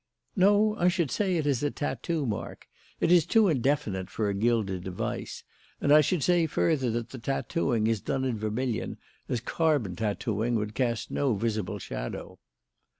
"No: I should say it is a tattoo mark. It is too indefinite for a gilded device. And I should say further that the tattooing is done in vermilion, as carbon tattooing would cast no visible shadow."